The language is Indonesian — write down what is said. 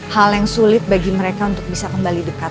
hal yang sulit bagi mereka untuk bisa kembali dekat